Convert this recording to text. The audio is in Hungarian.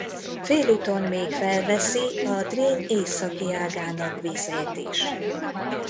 Félúton még felveszi a Drin északi ágának vizét is.